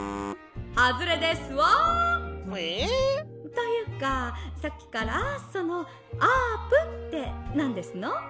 「というかさっきからそのあーぷんってなんですの？」。